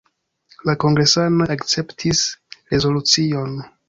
La kongresanoj akceptis rezolucion.